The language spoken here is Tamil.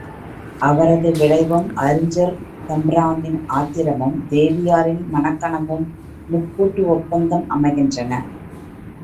அவரது விழைவும் அறிஞர் தம்பிரானின் ஆத்திரமும் தேவியாரின் மனக்கனவும் முக்கூட்டு ஒப்பந்தம் அமைக்கின்றன.